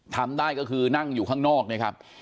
ทำได้ก็คือนั่งอยู่ข้างนอกนะครับ